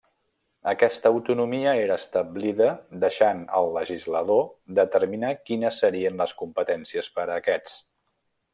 Aquesta autonomia era establida deixant al legislador determinar quines serien les competències per a aquests.